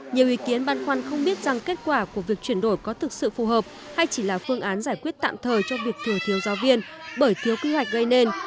nhiều ý kiến băn khoăn không biết rằng kết quả của việc chuyển đổi có thực sự phù hợp hay chỉ là phương án giải quyết tạm thời cho việc thừa thiếu giáo viên bởi thiếu quy hoạch gây nên